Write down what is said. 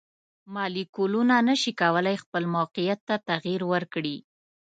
مالیکولونه نشي کولی خپل موقیعت ته تغیر ورکړي.